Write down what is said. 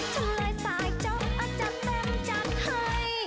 ฉันเลยสายโจ๊กอาจจะเต็มจัดให้